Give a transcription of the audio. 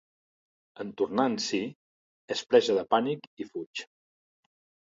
En tornar en si, és presa de pànic i fuig.